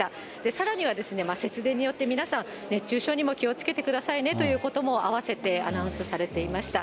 さらには節電によって、皆さん、熱中症にも気をつけてくださいねということも併せてアナウンスされていました。